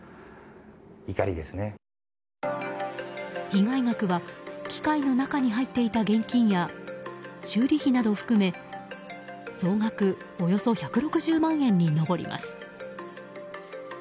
被害額は機械の中に入っていた現金や修理費など含め総額およそ１６０万円に上ります。